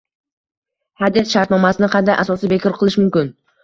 Hadya shartnomasini qanday asosda bekor qilish mumkin?